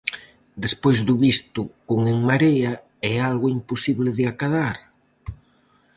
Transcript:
Despois do visto con En Marea, é algo imposible de acadar?